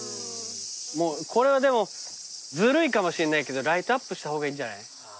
これはでもずるいかもしれないけどライトアップした方がいいんじゃない？